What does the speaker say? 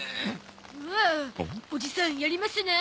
おおおじさんやりますな。